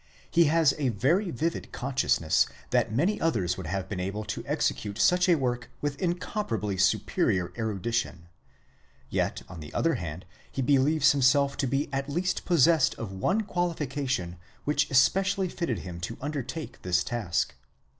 He has a very vivid consciousness that many others would have been able to execute such a work with incomparably superior erudition. Yet on the other hand he believes him self to be at least possessed of one qualification which especially fitted him to undertake this task.